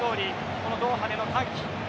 このドーハでの歓喜。